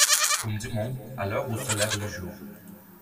Comme des monts, à l’heure où se lève le jour